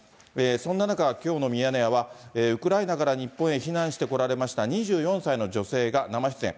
そんな中、きょうのミヤネ屋は、ウクライナから日本へ避難してこられました２４歳の女性が生出演。